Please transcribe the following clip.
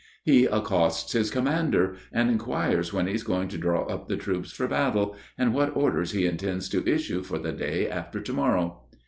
He accosts his commander and inquires when he is going to draw up the troops for battle, and what orders he intends to issue for day after to morrow.